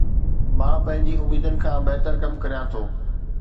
مان پنهنجي اميدن کان بهتر ڪم ڪريان ٿو